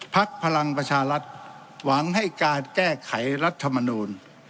พลังประชารัฐหวังให้การแก้ไขรัฐมนูล